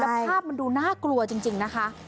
ภาพมันดูน่ากลัวจริงนะคะ